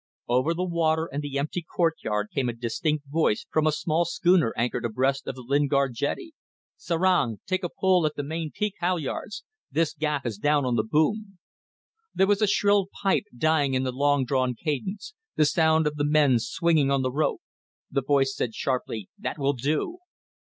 Over the water and the empty courtyard came a distinct voice from a small schooner anchored abreast of the Lingard jetty. "Serang! Take a pull at the main peak halyards. This gaff is down on the boom." There was a shrill pipe dying in long drawn cadence, the song of the men swinging on the rope. The voice said sharply: "That will do!"